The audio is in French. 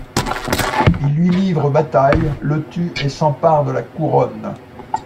Il lui livre bataille, le tue et s'empare de la couronne.